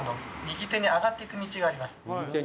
右手に上がっていく道がある。